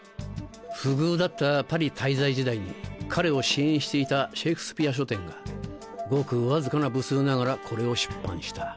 不遇だったパリ滞在時代に彼を支援していたシェイクスピア書店がごくわずかな部数ながらこれを出版した。